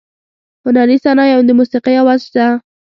هنري صنایع او د موسیقۍ اواز شته.